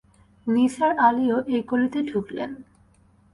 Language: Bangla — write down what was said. নিসার আলিও সেই গলিতে ঢুকলেন।